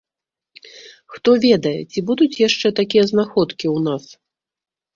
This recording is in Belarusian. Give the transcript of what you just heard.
Хто ведае, ці будуць яшчэ такія знаходкі ў нас?